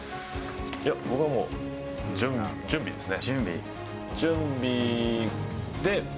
いや、僕はもう、準備ですね。